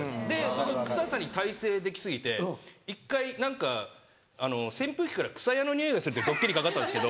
僕臭さに耐性出来過ぎて一回何か扇風機からくさやのニオイがするってドッキリかかったんですけど